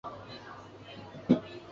从此瑞典不再有能力与俄国争霸。